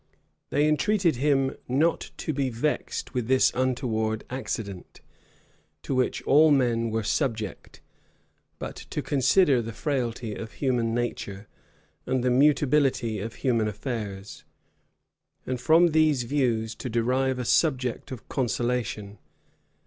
They entreated him not to be vexed with this untoward accident, to which all men were subject; but to consider the frailty of human nature, and the mutability of human affairs; and from these views to derive a subject of consolation.